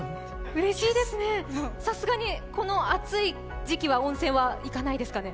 うれしいですね、さすがに、この暑い時期は温泉は行かないですかね？